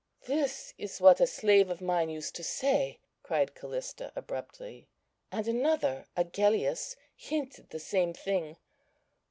"This is what a slave of mine used to say," cried Callista, abruptly; "... and another, Agellius, hinted the same thing....